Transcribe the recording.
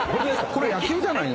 これ野球じゃない。